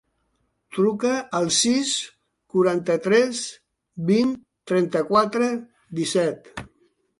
Truca al sis, quaranta-tres, vint, trenta-quatre, disset.